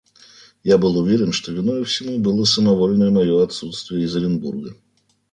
Я был уверен, что виною всему было самовольное мое отсутствие из Оренбурга.